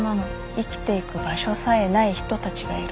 生きていく場所さえない人たちがいる。